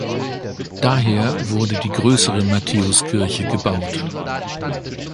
Daher wurde die größere Matthäuskirche gebaut.